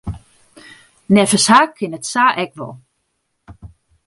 Neffens har kin it sa ek wol.